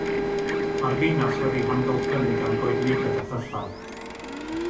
Mae'r ddinas wedi'i hamgylchynu gan goedwigoedd a phyllau.